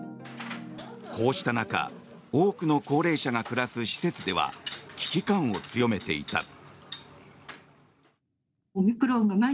こうした中多くの高齢者が暮らす施設では危機感を強めていた。